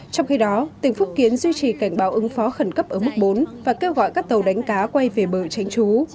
trong khi đó tỉnh phúc kiến duy trì cảnh báo ứng phó khẩn cấp ở mức bốn và kêu gọi các tàu đánh cá quay về bờ tránh trú